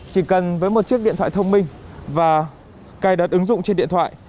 chỉ cần với một chiếc điện thoại thông minh và cài đặt ứng dụng trên điện thoại